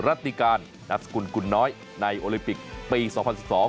รัฐกาลนัสกุลกุลน้อยในโอลิปิกปี๒๐๑๒